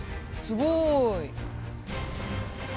すごい。